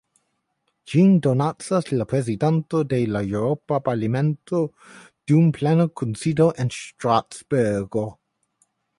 Ĝin donacas la Prezidanto de la Eŭropa Parlamento dum plena kunsido en Strasburgo.